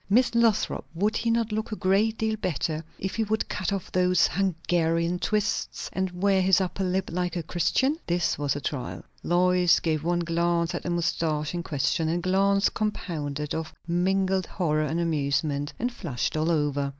Miss Lothrop, would he not look a great deal better if he would cut off those Hungarian twists, and wear his upper lip like a Christian?" This was a trial! Lois gave one glance at the moustache in question, a glance compounded of mingled horror and amusement, and flushed all over.